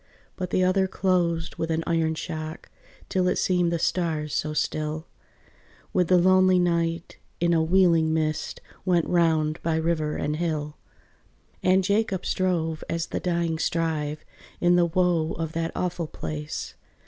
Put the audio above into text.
But the other closed with an iron shock, Till it seemed the stars so still, With the lonely night, in a wheeling mist, Went round by river and hill. And Jacob strove as the dying strive, In the woe of that awful place.